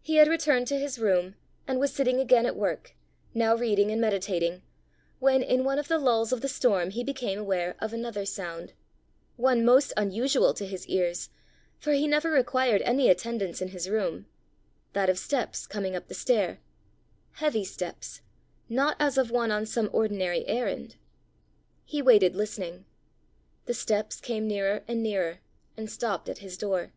He had returned to his room, and was sitting again at work, now reading and meditating, when, in one of the lulls of the storm, he became aware of another sound one most unusual to his ears, for he never required any attendance in his room that of steps coming up the stair heavy steps, not as of one on some ordinary errand. He waited listening. The steps came nearer and nearer, and stopped at his door.